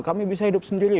kami bisa hidup sendiri